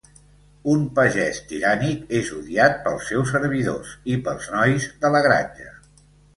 Un pagès tirànic és odiat pels seus servidors i pels nois de la granja.